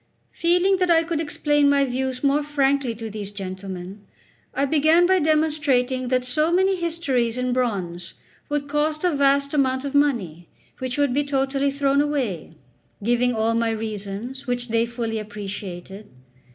Feeling that I could explain my views more frankly to these gentlemen, I began by demonstrating that so many histories in bronze would cost a vast amount of money, which would be totally thrown away, giving all my reasons, which they fully appreciated.